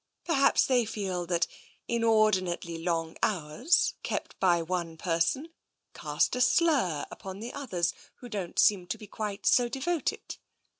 Perhaps they feel that inordinately long hours kept by one person cast a slur upon the others, who don't seem to be quite so devoted.